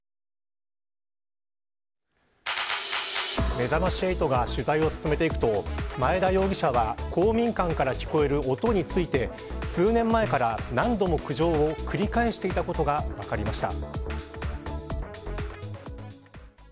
めざまし８が取材を進めていくと前田容疑者は公民館から聞こえる音について数年前から何度も苦情を繰り返していたことが分かりました。